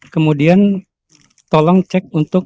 kemudian tolong cek untuk